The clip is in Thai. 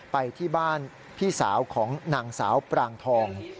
ไปที่บ้านพี่สาวของนางสาวปรางทอง